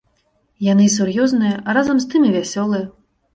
Яны і сур'ёзныя, а разам з тым і вясёлыя.